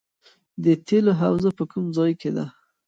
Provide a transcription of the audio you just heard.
د تیلو حوزه په کوم ځای کې ده؟